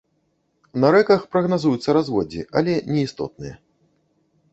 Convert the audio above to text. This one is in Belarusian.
На рэках прагназуюцца разводдзі, але неістотныя.